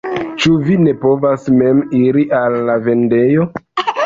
Ĉu vi ne povas mem iri al la vendejo?